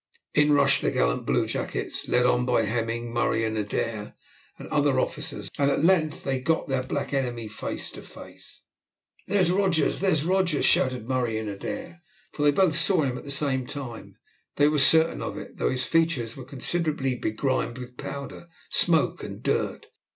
In rushed the gallant bluejackets, led on by Hemming, Murray, Adair, and other officers, and at length they got their black enemy face to face. "There's Rogers, there's Rogers!" shouted Murray and Adair, for they both saw him at the same time. They were certain of it, though his features were considerably begrimed with powder, smoke, and dirt.